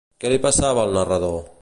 Què li passava al narrador?